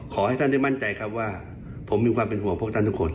ขอให้ท่านได้มั่นใจครับว่าผมมีความเป็นห่วงพวกท่านทุกคน